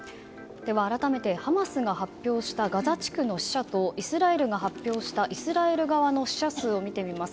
改めて、ハマスが発表したガザ地区の死者とイスラエルが発表したイスラエル側の死者数を見てみます。